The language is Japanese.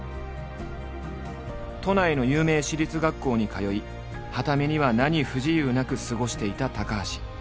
都内の有名私立学校に通いはた目には何不自由なく過ごしていた高橋。